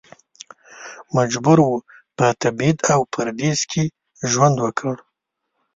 مجبور و په تبعید او پردیس کې ژوند وکړي.